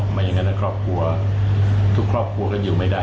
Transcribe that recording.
ไม่อย่างนั้นครอบครัวทุกครอบครัวก็อยู่ไม่ได้